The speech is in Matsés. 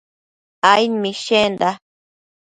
aid mishenda